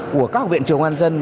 của các học viện trường an dân